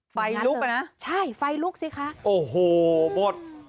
ไฟลุกอ่ะนะใช่ไฟลุกสิคะโอ้โหหมด